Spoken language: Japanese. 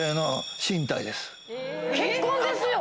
結婚ですよ？